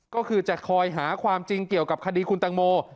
ก็คือจะคอยหาความจริงเกี่ยวกับคดีคุณตังโม